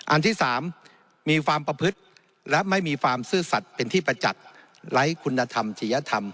อันที่๓มีความประพฤติและไม่มีความซื่อสัตว์เป็นที่ประจักษ์ไร้คุณธรรมจริยธรรม